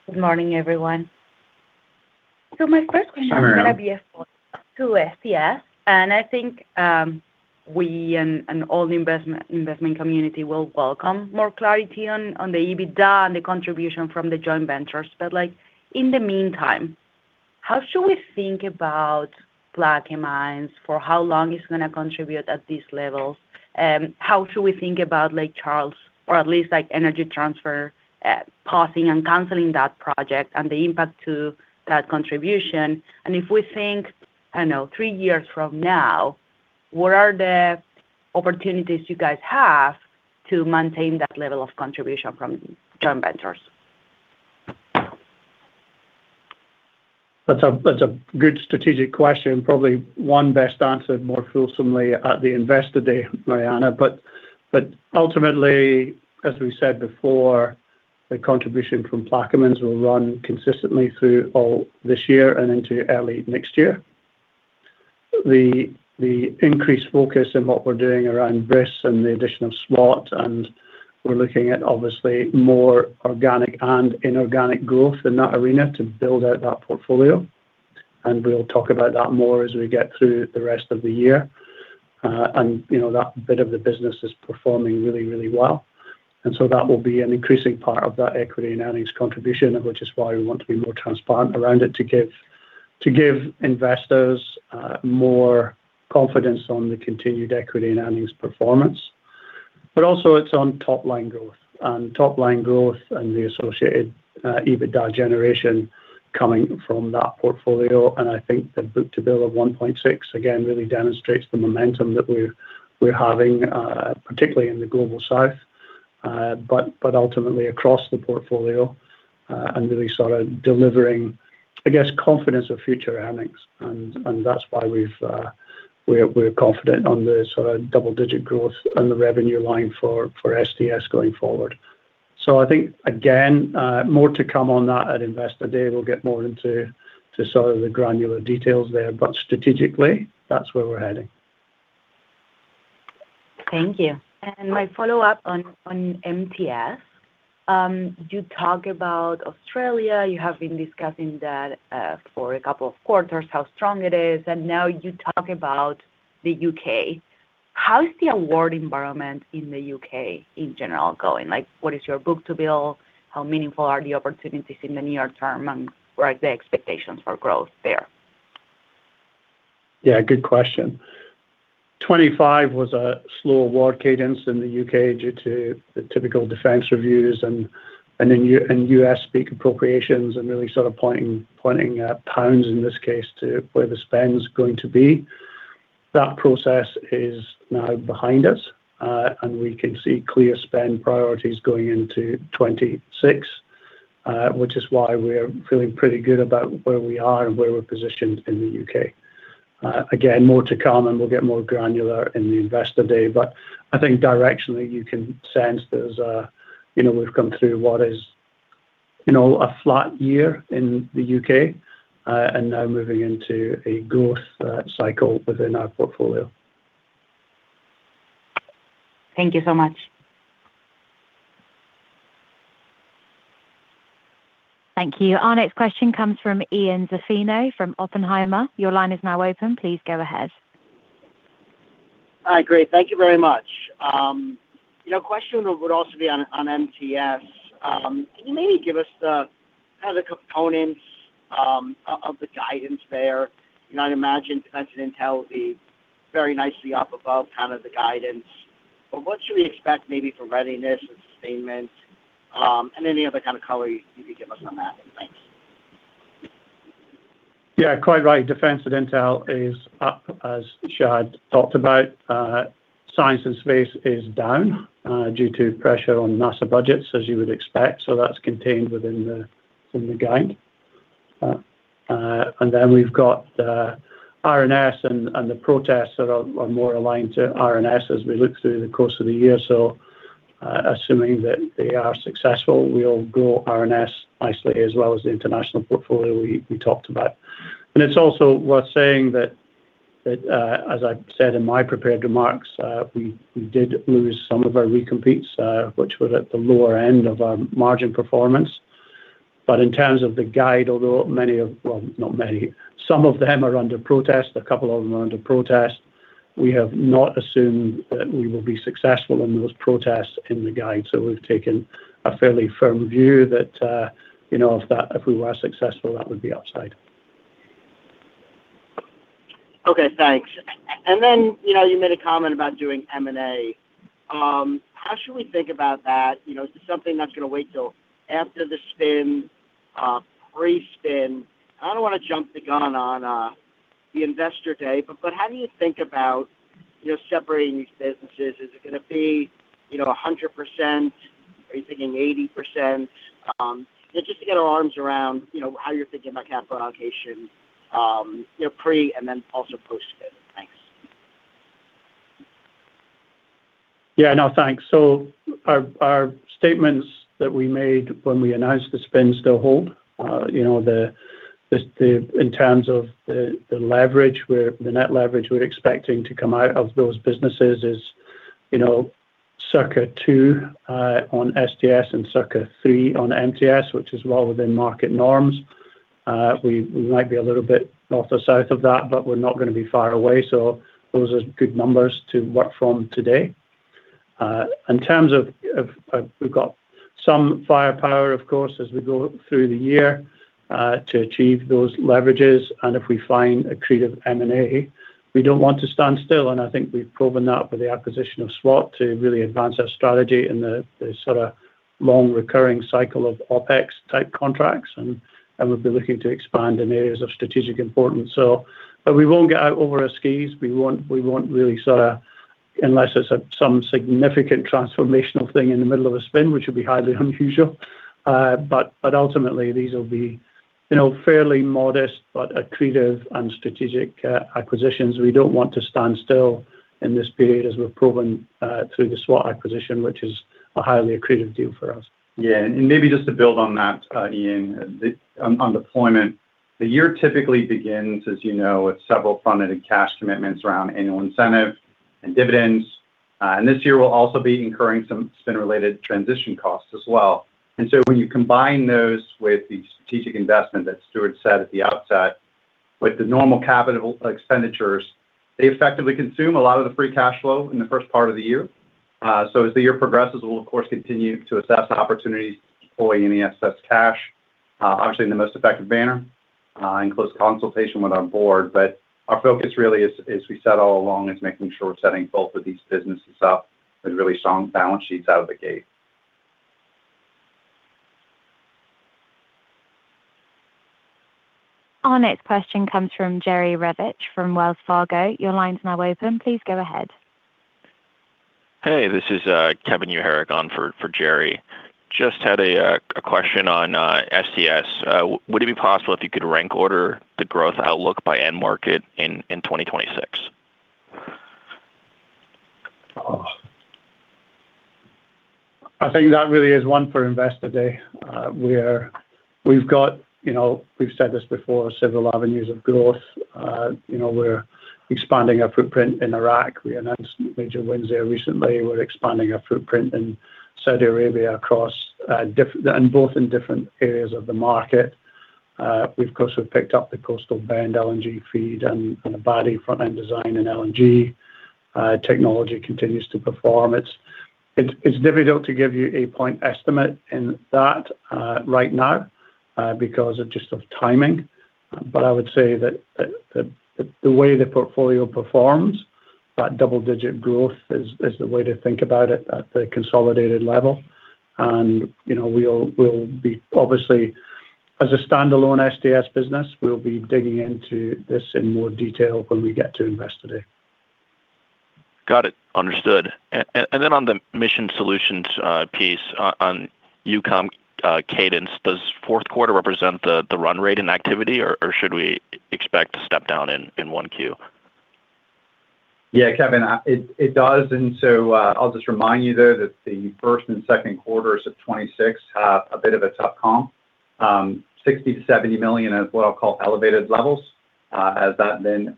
Good morning, everyone. My first question. Hi, Mariana. is going to be for to STS, and I think, we and all the investment community will welcome more clarity on the EBITDA and the contribution from the joint ventures. In the meantime, how should we think about Plaquemines? For how long it's going to contribute at these levels? How should we think about Lake Charles, or at least Energy Transfer pausing and canceling that project and the impact to that contribution? If we think, I don't know, three years from now, what are the opportunities you guys have to maintain that level of contribution from joint ventures? That's a good strategic question. Probably one best answered more fulsomely at the Investor Day, Mariana. Ultimately, as we said before, the contribution from Plaquemines will run consistently through all this year and into early next year. The increased focus in what we're doing around BRIS and the addition of SWAT, we're looking at obviously more organic and inorganic growth in that arena to build out that portfolio. We'll talk about that more as we get through the rest of the year. You know, that bit of the business is performing really, really well. So that will be an increasing part of that equity and earnings contribution, which is why we want to be more transparent around it to give investors more confidence on the continued equity and earnings performance. Also it's on top line growth and the associated EBITDA generation coming from that portfolio. I think the book-to-bill of 1.6, again, really demonstrates the momentum that we're having particularly in the Global South, but ultimately across the portfolio, and really sort of delivering, I guess, confidence of future earnings. That's why we're confident on the sort of double-digit growth on the revenue line for SDS going forward. I think, again, more to come on that at Investor Day. We'll get more into sort of the granular details there, but strategically, that's where we're heading. Thank you. My follow-up on MTS. You talk about Australia. You have been discussing that for a couple of quarters, how strong it is, and now you talk about the U.K.. How is the award environment in the U.K. in general going? Like, what is your book-to-bill? How meaningful are the opportunities in the near term, and what are the expectations for growth there? Yeah, good question. 25 was a slow award cadence in the U.K. due to the typical defense reviews and US-speak appropriations and really sort of pointing at GBP, in this case, to where the spend is going to be. That process is now behind us, and we can see clear spend priorities going into 26, which is why we're feeling pretty good about where we are and where we're positioned in the U.K.. Again, more to come, and we'll get more granular in the Investor Day, but I think directionally, you can sense there's a you know, we've come through what is, you know, a flat year in the U.K., and now moving into a growth cycle within our portfolio. Thank you so much. Thank you. Our next question comes from Ian Zaffino from Oppenheimer. Your line is now open. Please go ahead. Hi, great. Thank you very much. you know, a question would also be on MTS. Can you maybe give us the, kind of the components, of the guidance there? You know, I imagine Defense and Intel will be very nicely up above kind of the guidance, but what should we expect maybe for readiness and sustainment, and any other kind of color you could give us on that? Thanks. Quite right. Defense and Intel is up, as Shad talked about. Science & Space is down due to pressure on NASA budgets, as you would expect. That's contained within the guide. Then we've got R&S and the protests that are more aligned to R&S as we look through the course of the year. Assuming that they are successful, we'll grow R&S nicely, as well as the international portfolio we talked about. It's also worth saying that, as I said in my prepared remarks, we did lose some of our recompetes, which were at the lower end of our margin performance. In terms of the guide, although not many, some of them are under protest, a couple of them are under protest. We have not assumed that we will be successful in those protests in the guide, so we've taken a fairly firm view that, you know, if we were successful, that would be upside. Okay, thanks. You know, you made a comment about doing M&A. How should we think about that? You know, is this something that's going to wait till after the spin, pre-spin? I don't want to jump the gun on. ... the Investor Day. How do you think about, you know, separating these businesses? Is it going to be, you know, 100%? Are you thinking 80%? Just to get our arms around, you know, how you're thinking about capital allocation, you know, pre and then also post spin. Thanks. Yeah, no, thanks. Our statements that we made when we announced the spin still hold. You know, in terms of the leverage, where the net leverage we're expecting to come out of those businesses is, you know, Circa 2 on STS and Circa 3 on MTS, which is well within market norms. We might be a little bit north or south of that, but we're not going to be far away. Those are good numbers to work from today. In terms of, we've got some firepower, of course, as we go through the year to achieve those leverages. If we find accretive M&A, we don't want to stand still, and I think we've proven that with the acquisition of SWAT to really advance our strategy in the sort of long, recurring cycle of OpEx type contracts. We'll be looking to expand in areas of strategic importance. We won't get out over our skis. We won't really sort of, unless it's some significant transformational thing in the middle of a spin, which would be highly unusual. But ultimately, these will be, you know, fairly modest but accretive and strategic acquisitions. We don't want to stand still in this period, as we've proven through the SWAT acquisition, which is a highly accretive deal for us. Maybe just to build on that, Ian, the on deployment, the year typically begins, as you know, with several funded and cash commitments around annual incentive and dividends. This year, we'll also be incurring some spin-related transition costs as well. When you combine those with the strategic investment that Stuart said at the outset, with the normal capital expenditures, they effectively consume a lot of the free cash flow in the first part of the year. As the year progresses, we'll of course, continue to assess the opportunities to deploy any excess cash, obviously in the most effective manner, in close consultation with our board. Our focus really is, as we said all along, is making sure we're setting both of these businesses up with really strong balance sheets out of the gate. Our next question comes from Jerry Revich, from Wells Fargo. Your line is now open. Please go ahead. Hey, this is Kevin Healey on for Jerry. Just had a question on STS. Would it be possible if you could rank order the growth outlook by end market in 2026? Oh. I think that really is one for Investor Day. You know, we've said this before, several avenues of growth. You know, we're expanding our footprint in Iraq. We announced major wins there recently. We're expanding our footprint in Saudi Arabia across in different areas of the market. We, of course, have picked up the Coastal Bend LNG feed and Abadi front-end design in LNG. Technology continues to perform. It's difficult to give you a point estimate in that right now because of just of timing. I would say that the way the portfolio performs, that double-digit growth is the way to think about it at the consolidated level. You know, we'll be obviously, as a standalone STS business, we'll be digging into this in more detail when we get to Investor Day. Got it. Understood. On the Mission Solutions piece, on EUCOM cadence, does fourth quarter represent the run rate in activity, or should we expect to step down in 1Q? Yeah, Kevin, it does. I'll just remind you, though, that the first and second quarters of 2026 have a bit of a tough comp. $60 million-$70 million is what I'll call elevated levels, as that then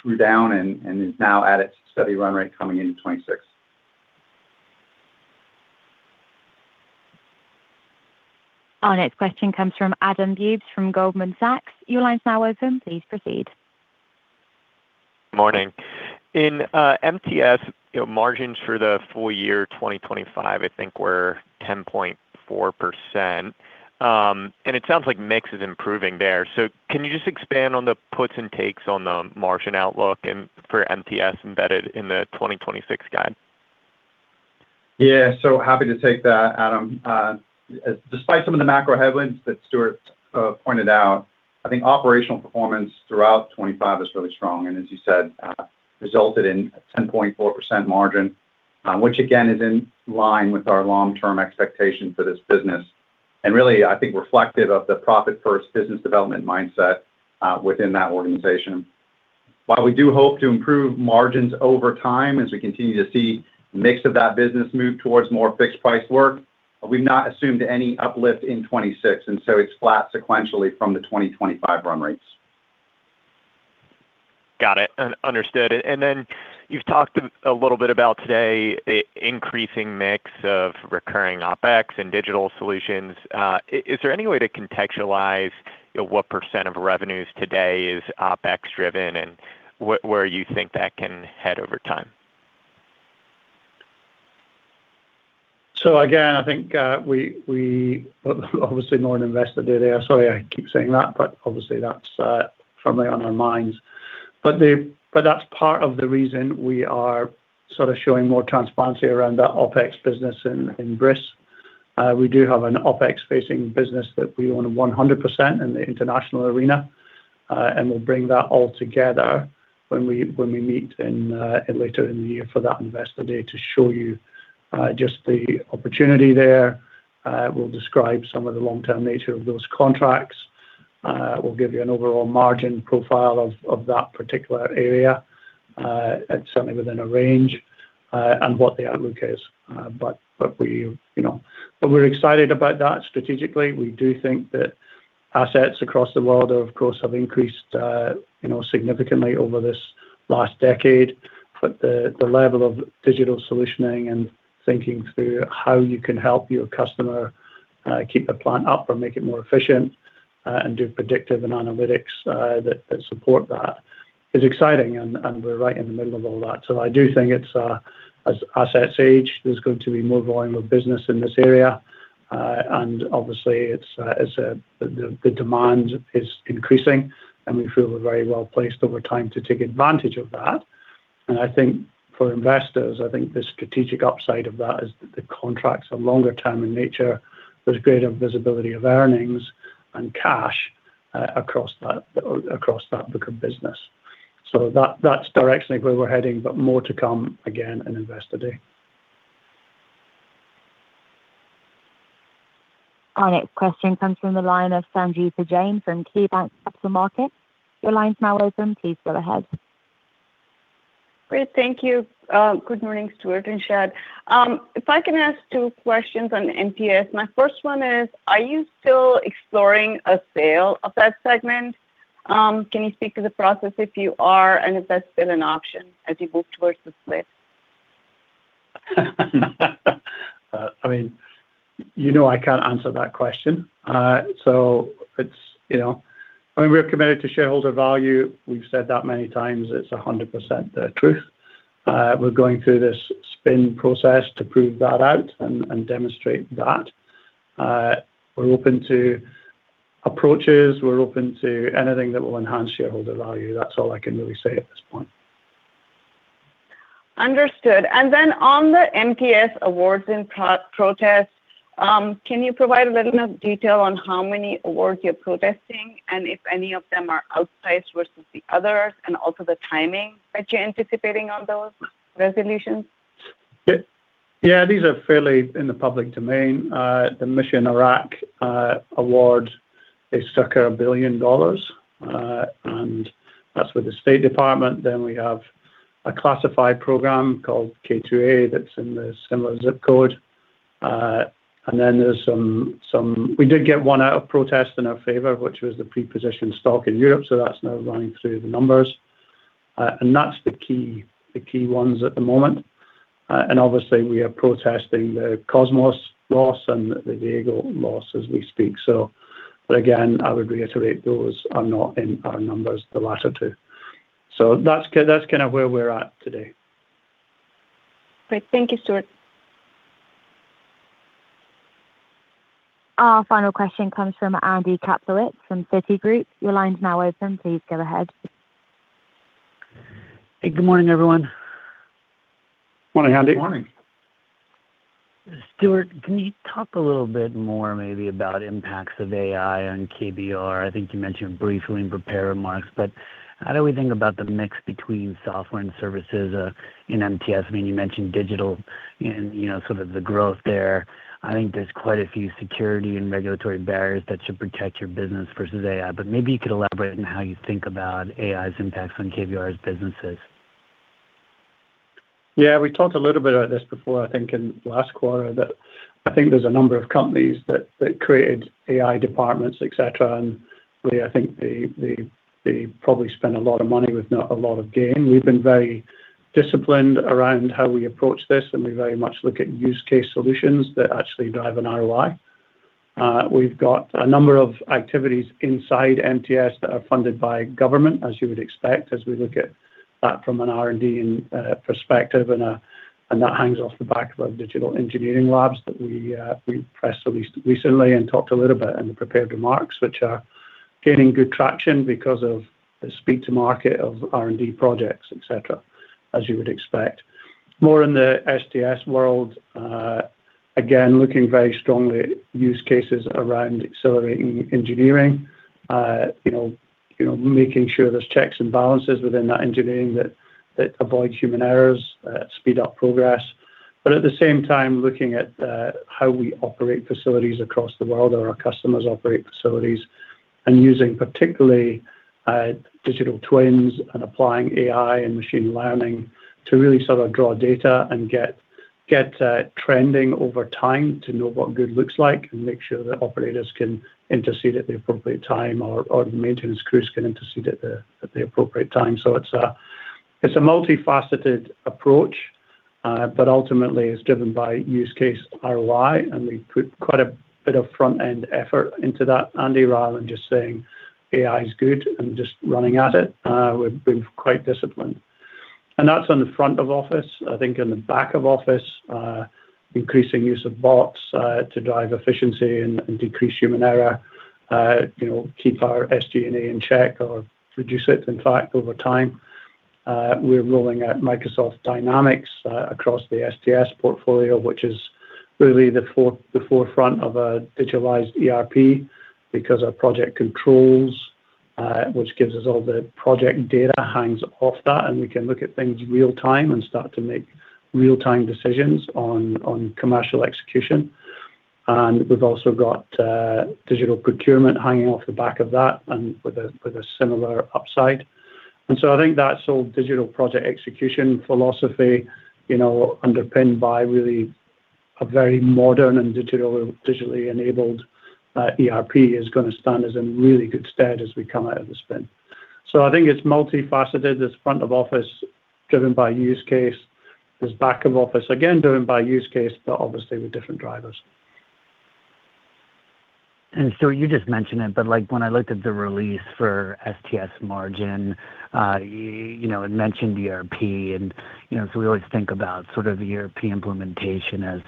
threw down and is now at its steady run rate coming into 2026. Our next question comes from Adam Eaves, from Goldman Sachs. Your line is now open. Please proceed. Morning. In MTS, you know, margins for the full year 2025, I think, were 10.4%. It sounds like mix is improving there. Can you just expand on the puts and takes on the margin outlook and for MTS embedded in the 2026 guide? Yeah, happy to take that, Adam. Despite some of the macro headwinds that Stuart pointed out, I think operational performance throughout 25 is really strong, and as you said, resulted in a 10.4% margin, which again, is in line with our long-term expectation for this business. Really, I think reflective of the profit-first business development mindset within that organization. While we do hope to improve margins over time as we continue to see the mix of that business move towards more fixed-price work, we've not assumed any uplift in 26, it's flat sequentially from the 2025 run rates. Got it. Understood. Then you've talked a little bit about today, the increasing mix of recurring OpEx and digital solutions. Is there any way to contextualize, you know, what % of revenues today is OpEx driven and where you think that can head over time? Again, I think, we obviously, more on Investor Day there. Sorry, I keep saying that, but obviously, that's firmly on our minds. That's part of the reason we are sort of showing more transparency around that OpEx business in BRIS. We do have an OpEx-facing business that we own 100% in the international arena, and we'll bring that all together when we meet in later in the year for that Investor Day to show you just the opportunity there. We'll describe some of the long-term nature of those contracts, we'll give you an overall margin profile of that particular area, certainly within a range, and what the outlook is. We, you know, we're excited about that strategically. We do think that assets across the world, of course, have increased, you know, significantly over this last decade. The level of digital solutioning and thinking through how you can help your customer, keep the plant up or make it more efficient, and do predictive and analytics that support that is exciting, and we're right in the middle of all that. I do think it's as assets age, there's going to be more volume of business in this area. Obviously, it's the demand is increasing, and we feel we're very well-placed over time to take advantage of that. I think for investors, I think the strategic upside of that is that the contracts are longer term in nature. There's greater visibility of earnings and cash across that book of business. that's directionally where we're heading, but more to come, again, in Investor Day. Our next question comes from the line of Sangita Jain from KeyBanc Capital Markets. Your line is now open. Please go ahead. Great. Thank you. Good morning, Stuart and Shad. If I can ask two questions on MTS. My first one is, are you still exploring a sale of that segment? Can you speak to the process if you are, and if that's still an option as you move towards the split? I mean, you know I can't answer that question. It's, you know, I mean, we're committed to shareholder value. We've said that many times. It's 100% the truth. We're going through this spin process to prove that out and demonstrate that. We're open to approaches, we're open to anything that will enhance shareholder value. That's all I can really say at this point. Understood. On the MTS awards and pro-protests, can you provide a little more detail on how many awards you're protesting, and if any of them are outsized versus the others, and also the timing that you're anticipating on those resolutions? Yeah. Yeah, these are fairly in the public domain. The Mission Iraq award is stuck at $1 billion, that's with the State Department. We have a classified program called K2A, that's in the similar ZIP code. We did get one out of protest in our favor, which was the pre-positioned stock in Europe, that's now running through the numbers. That's the key ones at the moment. Obviously, we are protesting the COSMOS loss and the Diego loss as we speak. Again, I would reiterate, those are not in our numbers, the latter two. That's kind of where we're at today. Great. Thank you, Stuart. Our final question comes from Andrew Kaplowitz from Citigroup. Your line is now open. Please go ahead. Hey, good morning, everyone. Morning, Andy. Good morning. Stuart, can you talk a little bit more maybe about impacts of AI on KBR? I think you mentioned briefly in prepared remarks. How do we think about the mix between software and services in MTS? I mean, you mentioned digital and, you know, sort of the growth there. I think there's quite a few security and regulatory barriers that should protect your business versus AI, but maybe you could elaborate on how you think about AI's impacts on KBR's businesses. Yeah, we talked a little bit about this before, I think, in last quarter, that I think there's a number of companies that created AI departments, et cetera, and really, I think they probably spent a lot of money with not a lot of gain. We've been very disciplined around how we approach this, and we very much look at use case solutions that actually drive an ROI. We've got a number of activities inside MTS that are funded by government, as you would expect, as we look at that from an R&D and perspective, and that hangs off the back of our digital engineering labs that we pressed recently and talked a little bit in the prepared remarks, which are gaining good traction because of the speed to market of R&D projects, et cetera, as you would expect. More in the STS world, again, looking very strongly at use cases around accelerating engineering, you know, making sure there's checks and balances within that engineering that avoids human errors, speed up progress. At the same time, looking at how we operate facilities across the world or our customers operate facilities, and using particularly digital twins and applying AI and machine learning to really sort of draw data and get trending over time to know what good looks like and make sure that operators can intercede at the appropriate time, or maintenance crews can intercede at the appropriate time. It's a multifaceted approach, but ultimately, it's driven by use case ROI, and we put quite a bit of front-end effort into that, Andy, rather than just saying AI is good and just running at it. We've been quite disciplined. That's on the front of office. I think in the back of office, increasing use of bots to drive efficiency and decrease human error, you know, keep our SG&A in check or reduce it, in fact, over time. We're rolling out Microsoft Dynamics across the STS portfolio, which is really the forefront of a digitalized ERP, because our project controls, which gives us all the project data, hangs off that, and we can look at things real-time and start to make real-time decisions on commercial execution. We've also got digital procurement hanging off the back of that and with a similar upside. I think that's all digital project execution philosophy, you know, underpinned by really a very modern and digital, digitally enabled ERP is gonna stand us in really good stead as we come out of the spin. I think it's multifaceted. There's front of office, driven by use case. There's back of office, again, driven by use case, but obviously with different drivers. You just mentioned it, but, like, when I looked at the release for STS margin, you know, it mentioned ERP and, you know, we always think about sort of the ERP implementation as,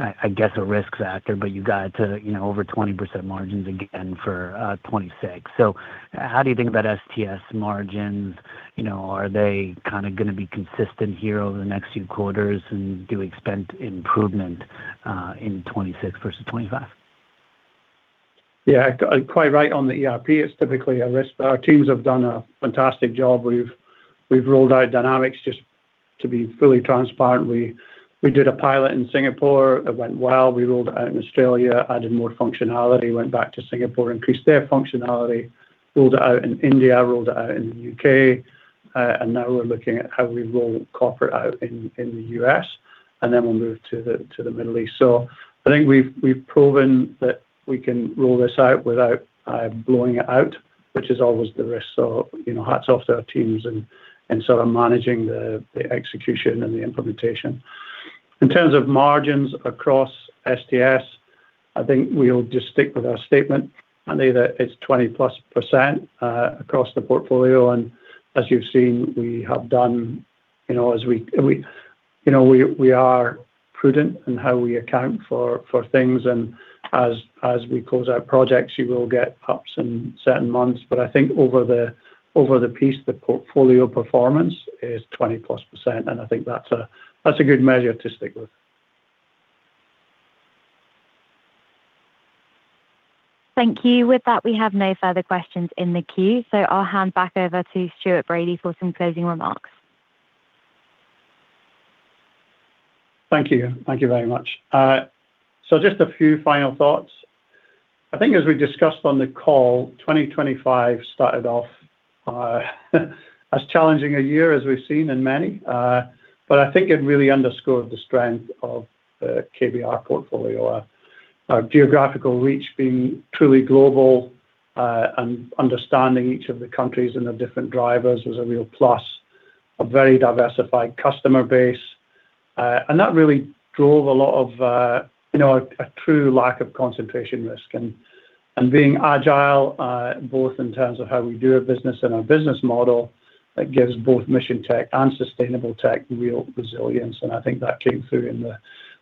I guess, a risk factor, but you got to, you know, over 20% margins again for 2026. How do you think about STS margins? You know, are they kind of gonna be consistent here over the next few quarters, and do we expect improvement in 2026 versus 2025? Yeah. Quite right on the ERP. It's typically a risk. Our teams have done a fantastic job. We've rolled out Dynamics just to be fully transparent. We did a pilot in Singapore. It went well. We rolled it out in Australia, added more functionality, went back to Singapore, increased their functionality, rolled it out in India, rolled it out in the U.K., and now we're looking at how we roll corporate out in the U.S., and then we'll move to the Middle East. I think we've proven that we can roll this out without blowing it out, which is always the risk. You know, hats off to our teams and sort of managing the execution and the implementation. In terms of margins across STS, I think we'll just stick with our statement, Andy, that it's 20-plus % across the portfolio, and as you've seen, we have done, you know, as we, you know, we are prudent in how we account for things, and as we close our projects, you will get ups in certain months. I think over the piece, the portfolio performance is 20-plus %, and I think that's a good measure to stick with. Thank you. With that, we have no further questions in the queue, so I'll hand back over to Stuart Bradie for some closing remarks. Thank you. Thank you very much. just a few final thoughts. I think as we discussed on the call, 2025 started off as challenging a year as we've seen in many, but I think it really underscored the strength of the KBR portfolio. Our geographical reach being truly global, and understanding each of the countries and the different drivers was a real plus, a very diversified customer base, and that really drove a lot of, you know, a true lack of concentration risk. being agile, both in terms of how we do our business and our business model, that gives both Mission Tech and Sustainable Tech real resilience, and I think that came through in the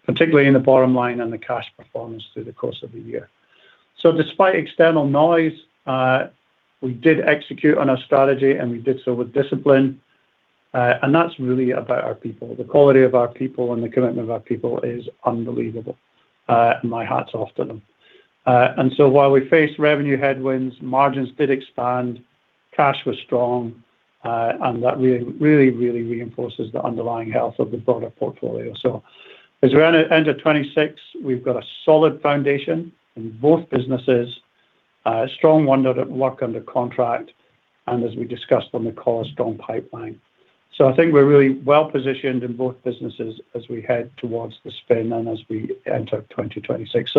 particularly in the bottom line and the cash performance through the course of the year. Despite external noise, we did execute on our strategy, and we did so with discipline, and that's really about our people. The quality of our people and the commitment of our people is unbelievable. My hat's off to them. While we faced revenue headwinds, margins did expand, cash was strong, and that really, really, really reinforces the underlying health of the broader portfolio. As we enter 2026, we've got a solid foundation in both businesses, a strong wonder that work under contract, and as we discussed on the call, a strong pipeline. I think we're really well positioned in both businesses as we head towards the spin and as we enter 2026.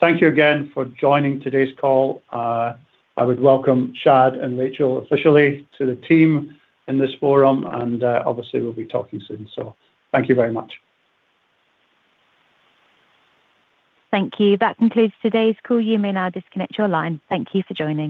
Thank you again for joining today's call. I would welcome Shad and Rachel officially to the team in this forum, and obviously, we'll be talking soon. Thank you very much. Thank you. That concludes today's call. You may now disconnect your line. Thank you for joining.